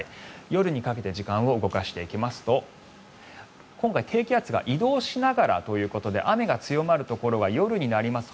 夜にかけて時間を動かしていきますと今回、低気圧が移動しながらということで雨が強まるところは夜になります。